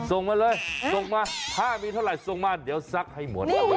ส่งมาเลยส่งมาถ้ามีเท่าไหร่ส่งมาเดี๋ยวซักให้หมด